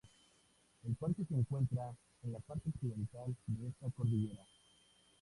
El parque se encuentra en la parte occidental de esta cordillera.